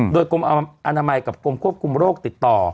โดยกรมอนามัยกับกรมควบคุมโรคติดต่อ